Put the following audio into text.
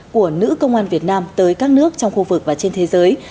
của nữ công an việt nam tới các nước trong khu vực và trên thế giới